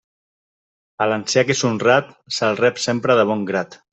A l'ancià que és honrat, se'l rep sempre de bon grat.